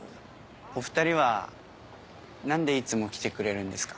お２人は何でいつも来てくれるんですか？